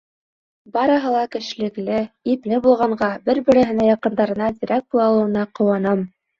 Барыһы ла кешелекле, ипле булғанға, бер-береһенә, яҡындарына терәк була алыуына ҡыуанам.